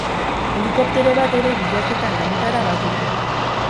Helikoptero bat ere bilaketa lanetara batu da.